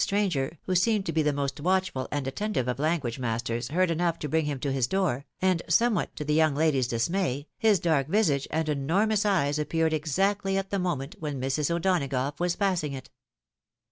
stranger, who seemed to be the most watchful and attentive of language masters, heard enough to bring him to his door, and somewhat to the young lady's dismay, his dark visage and enor mous eyes appeared exactly at the moment when Mrs. O'Dona gough was passing it.